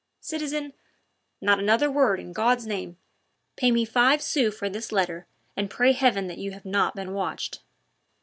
"Citizen " "Not another word, in God's name! Pay me five sous for this letter and pray Heaven that you have not been watched."